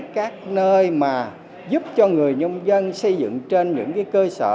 các nơi mà giúp cho người nông dân xây dựng trên những cơ sở